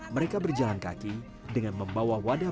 mereka berjalan kaki dengan membawa wadah